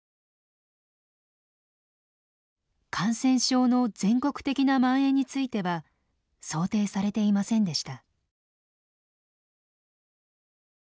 感染症の全国的なまん延については想定されていませんでした。